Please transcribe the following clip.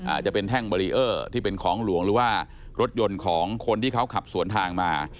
อาจจะเป็นแท่งเบรีเออร์ที่เป็นของหลวงหรือว่ารถยนต์ของคนที่เขาขับสวนทางมา